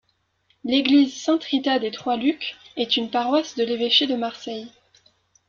L'église Sainte-Rita des Trois-Lucs est une paroisse de l'évêché de Marseille.